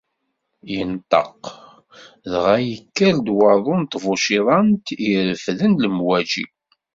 Inṭeq, dɣa yekker-d waḍu n tbuciḍant i ireffden lemwaǧi.